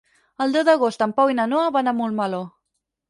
El deu d'agost en Pau i na Noa van a Montmeló.